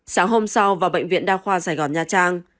sáng hôm sau vào bệnh viện đa khoa sài gòn nha trang